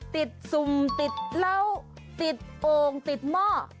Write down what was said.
สุ่มติดเหล้าติดโอ่งติดหม้อ